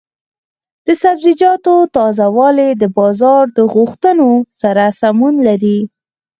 د سبزیجاتو تازه والي د بازار د غوښتنو سره سمون لري.